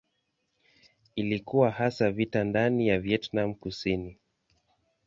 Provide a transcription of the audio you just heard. Ilikuwa hasa vita ndani ya Vietnam Kusini.